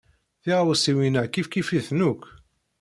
Tiɣawsiwin-a kifkif-iten akk.